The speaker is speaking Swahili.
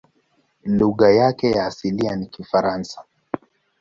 Lugha yake ya asili ni Kifaransa.